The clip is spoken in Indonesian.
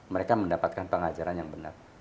mereka mendapatkan pengajaran yang benar